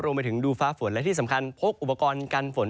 รวมไปถึงดูฟ้าฝนและที่สำคัญพกอุปกรณ์กันฝนด้วย